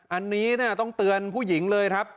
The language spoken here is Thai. อันนี้ต้องเตือนผู้หญิงเลยครับ